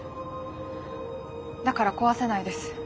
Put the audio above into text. だから壊せないです